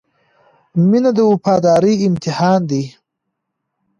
• مینه د وفادارۍ امتحان دی.